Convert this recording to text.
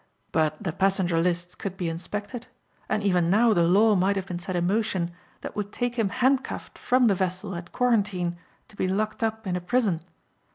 But the passenger lists could be inspected and even now the law might have been set in motion that would take him handcuffed from the vessel at quarantine to be locked up in a prison.